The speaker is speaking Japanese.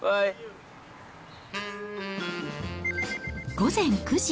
午前９時。